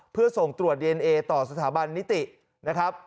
เพื่อส่งตรวจดีเอนเอต่อสถาบันนิตินะครับ